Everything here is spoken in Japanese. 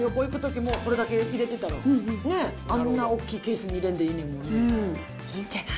それこそ旅行行くときもこれだけ入れてたら、あんな大きなケースに入れんでもいいんじゃない？